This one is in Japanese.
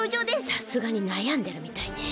さすがになやんでるみたいね。